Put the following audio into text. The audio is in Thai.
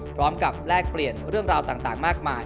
แลกเปลี่ยนเรื่องราวต่างมากมาย